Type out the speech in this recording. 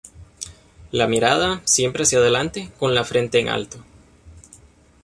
La mirada, siempre hacia adelante, con la frente en alto.